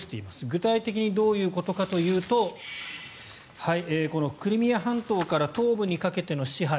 具体的にどういうことかというとこのクリミア半島から東部にかけての支配